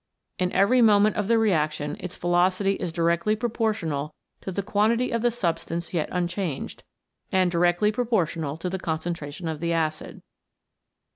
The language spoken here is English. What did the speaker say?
In every moment of the reaction its velocity is directly proportional to the quantity of the substance yet unchanged, and directly proportional to the concentration of the acid.